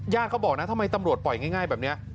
เขาบอกนะทำไมตำรวจปล่อยง่ายแบบนี้